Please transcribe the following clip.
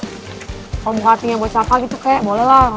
kalau buka hatinya buat siapa gitu kek boleh lah